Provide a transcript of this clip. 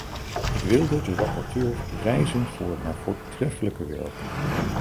Ik wilde de rapporteur prijzen voor haar voortreffelijke werk.